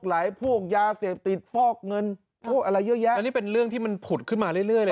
พวกยาเสพติดฟอกเงินอะไรเยอะแยะอันนี้เป็นเรื่องที่มันผุดขึ้นมาเรื่อยเลย